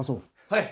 はい！